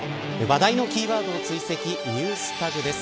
話題のキーワードを追跡ＮｅｗｓＴａｇです。